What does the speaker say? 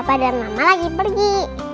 papa dan mama lagi pergi